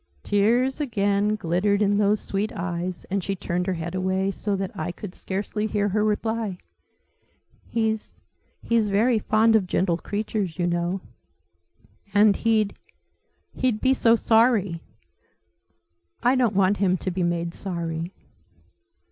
Tears again glittered in those sweet eyes and she turned her head away so that I could scarcely hear her reply. "He's he's very fond of gentle creatures you know. And he'd he'd be so sorry! I don't want him to be made sorry."